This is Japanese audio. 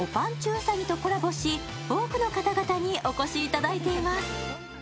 うさぎとコラボし、多くの方々にお越しいただいています。